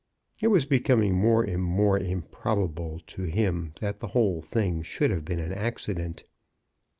It was becoming more and more improbable to him that the whole thing should have been an accident.